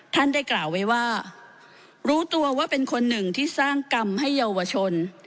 ท่านได้กล่าวไว้ว่ารู้ตัวว่าเป็นคนหนึ่งที่สร้างกรรมให้เยาวชน